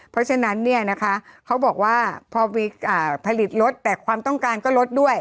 เพราะฉะนั้นเนี่ยนะคะเขาบอกว่าพอผลิตลดแต่ความต้องการก็ลดด้วย